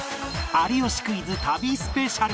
『有吉クイズ』旅スペシャル